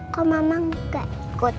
kok mama gak ikut